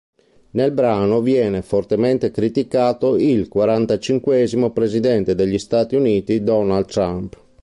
Nel brano viene fortemente criticato il quarantacinquesimo presidente degli stati uniti Donald Trump.